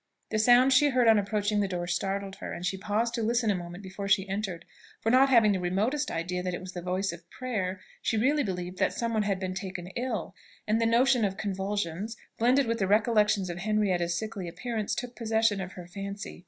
The sound she heard on approaching the door startled her, and she paused to listen a moment before she entered; for not having the remotest idea that it was the voice of prayer, she really believed that some one had been taken ill, and the notion of convulsions, blended with the recollection of Henrietta's sickly appearance, took possession of her fancy.